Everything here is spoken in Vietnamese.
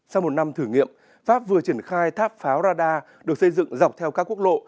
sau một năm thử nghiệm pháp vừa triển khai tháp pháo radar được xây dựng dọc theo các quốc lộ